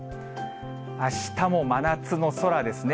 あしたも真夏の空ですね。